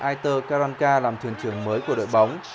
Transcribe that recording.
aitor karanka làm trưởng trưởng mới của đội bóng